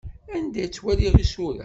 Anda ay ttwaliɣ isura?